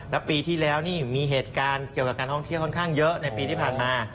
แล้วปีที่แล้วนี่มีเหตุการณ์เกี่ยวกับการท่องเที่ยวค่อนข้างเยอะในปีที่ผ่านมา